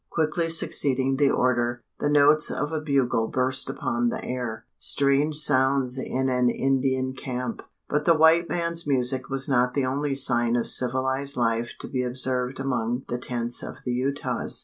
Quickly succeeding the order, the notes of a bugle burst upon the air strange sounds in an Indian camp! But the white man's music was not the only sign of civilised life to be observed among the tents of the Utahs.